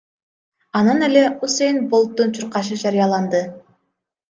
Анан эле Усэйн Болттун чуркашы жарыяланды.